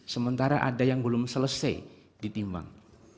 sementara ada yang belum selesai ditimbang